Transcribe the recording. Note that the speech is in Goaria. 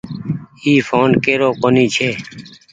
اي ڦون ڪيرو ڪونيٚ ڇي۔